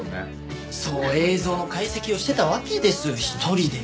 そう映像の解析をしてたわけですよ一人で。